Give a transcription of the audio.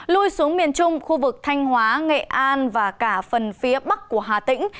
lui xuống miền trung khu vực thanh hóa nghệ an và cả phần phía bắc của hà tĩnh